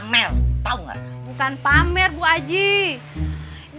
mau ngamat pejah